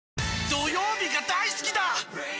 土曜日が大好きだー！